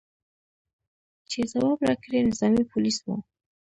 چې ځواب راکړي، نظامي پولیس و.